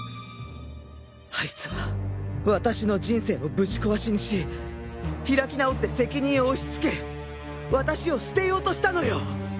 あいつは私の人生をぶち壊しにし開き直って責任を押し付け私を捨てようとしたのよ！